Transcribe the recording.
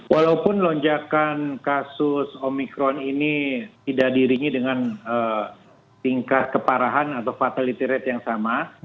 walaupun lonjakan kasus omikron ini tidak diringi dengan tingkat keparahan atau fatality rate yang sama